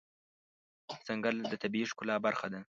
ځنګل د طبیعي ښکلا برخه ده.